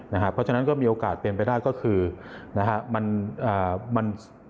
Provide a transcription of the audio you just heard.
นะฮะเพราะฉะนั้นก็มีโอกาสเป็นไปได้ก็คือนะฮะมันอ่ามัน